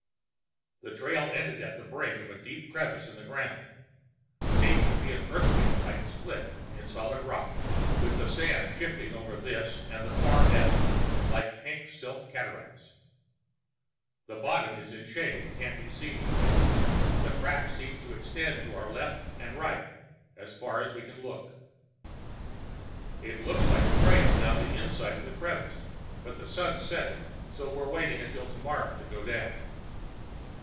The trail ended at the brink of a deep crevice in the ground. Seems to be an earthquake type split in solid rock, with the sand sifting over this and the far edge like pink silk cataracts. The bottom is in the shade and can't be seen. The crack seems to extend to our left and right as far as we can look. There looks like a trail down the inside of the crevice, but the Sun's setting, so we're waiting till tomorrow to go down.